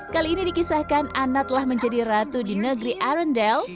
kali ini dikisahkan ana telah menjadi ratu di negeri arendel